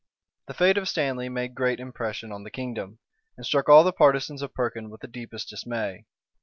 The fate of Stanley made great impression on the kingdom, and struck all the partisans of Perkin with the deepest dismay.